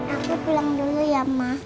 aku pulang dulu ya mas